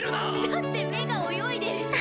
だって目が泳いでるし。